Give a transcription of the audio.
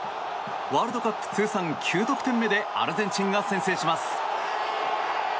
ワールドカップ通算９得点目でアルゼンチンが先制します。